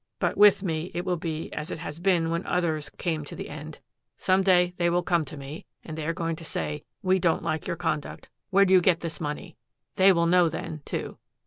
But with me it will be as it has been when others came to the end. Some day they will come to me, and they are going to say, 'We don't like your conduct. Where do you get this money?' They will know, then, too.